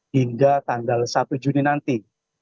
hingga tanggal satu juni nanti